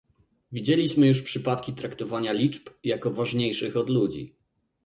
Widzieliśmy już przypadki traktowania liczb jako ważniejszych od ludzi